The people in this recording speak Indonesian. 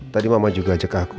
tadi mama juga cek aku